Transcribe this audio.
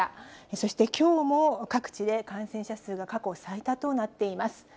そしてきょうも各地で、感染者数が過去最多となっています。